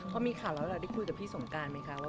พอมีข่าวแล้วแล้วพี่คุยกับพี่สงการไหมคะ